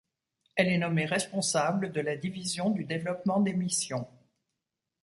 Elle est nommée responsable de la division du développement des missions.